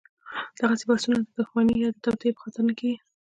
دغسې بحثونه د دښمنۍ یا توطیې په خاطر نه کېږي.